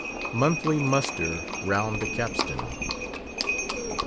MONTHLY MUSTER ROUND THE CAPSTAN.